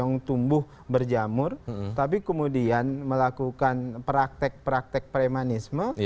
yang tumbuh berjamur tapi kemudian melakukan praktek praktek premanisme